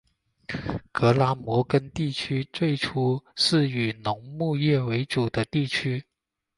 格拉摩根地区最初是以农牧业为主的地区。